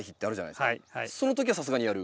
そのときはさすがにやる？